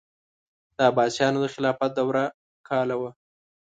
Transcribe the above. د عباسیانو د خلافت دوره کاله وه.